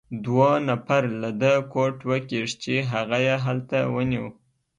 دوو نفر له ده کوټ وکیښ، چې هغه يې هلته ونیو.